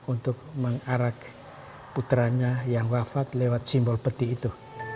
untuk mengarak putranya yang wafat lewat simbol peti itu